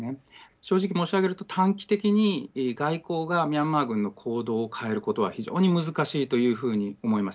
正直申し上げると短期的に外交がミャンマー軍の行動を変えることは非常に難しいというふうに思います。